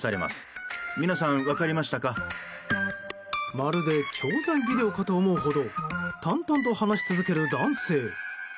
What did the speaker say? まるで教材ビデオかと思うほど淡々と話し続ける男性。